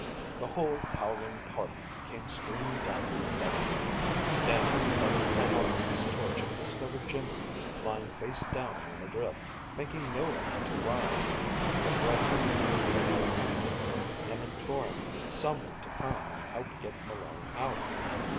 The whole howling party came streaming down the embankment. Dannie held aloft his torch and discovered Jimmy lying face down in a drift, making no effort to rise, and the Thread Man feebly tugging at him and imploring some one to come and help get Malone out.